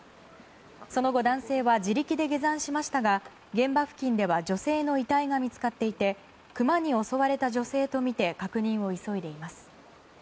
その後、男性は自力で下山しましたが現場付近では女性の遺体が見つかっていてクマに襲われた女性とみて確認を急いでいます。